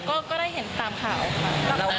ก็ได้เห็นตามข่าวค่ะ